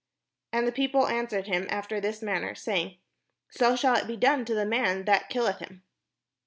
And the people answered him after this manner, say ing: "So shall it be done to the man that killeth him."